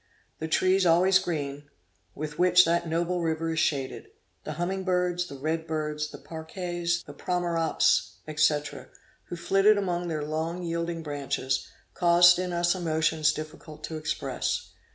The trees always green, with which that noble river is shaded, the humming birds, the red birds, the paroquets, the promerops, &c. who flitted among their long yielding branches, caused in us emotions difficult to express.